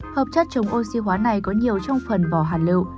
hợp chất chống oxy hóa này có nhiều trong phần vỏ hạt lựu